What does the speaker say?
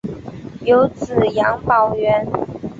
有子杨葆元。